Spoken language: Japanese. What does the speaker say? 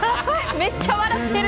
めっちゃ笑ってる！